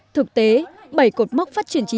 thực tế bảy cột mốc phát triển trí